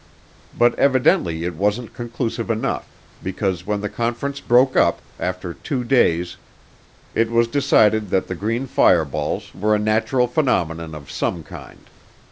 But evidently it wasn't conclusive enough because when the conference broke up, after two days, it was decided that the green fireballs were a natural phenomenon of some kind.